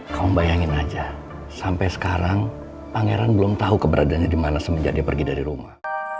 kamu bayangin aja sampai sekarang pangeran belum tahu keberadaannya di mana semenjak dia pergi dari rumah